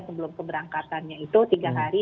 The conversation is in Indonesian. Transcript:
sebelum keberangkatannya itu tiga hari